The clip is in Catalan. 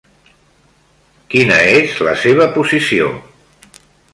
Quina és la seva posició?